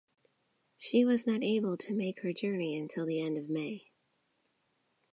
She was not able to make her journey until the end of May.